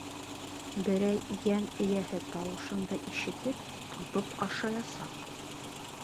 Берәй йән эйәһе тауышыңды ишетеп, тотоп ашаясаҡ.